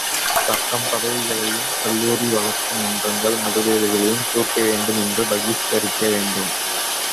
பட்டம் பதவிகளையும், கல்லூரிகள், வழக்கு மன்றங்கள் முதலியவைகளையும், துறக்க வேண்டும், பகிஷ்கரிக்க வேண்டும்.